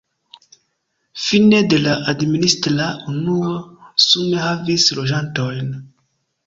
Fine de la administra unuo sume havis loĝantojn.